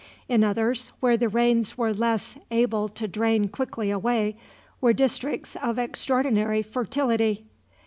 In others, where the rains were less able to drain quickly away, were districts of extraordinary fertility.